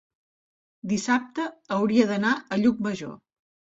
Dissabte hauria d'anar a Llucmajor.